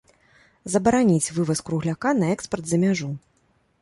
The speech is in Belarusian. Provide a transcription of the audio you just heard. Забараніць вываз кругляка на экспарт за мяжу.